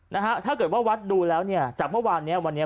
นะฮะถ้าเกิดว่าวัดดูแล้วเนี่ยจากเมื่อวานเนี้ยวันนี้